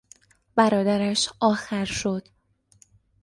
برادرش آخر شد.